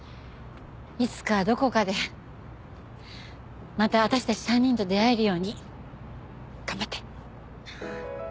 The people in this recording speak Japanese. いつかどこかでまた私たち３人と出会えるように頑張って。